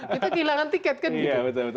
kita kehilangan tiket kan gitu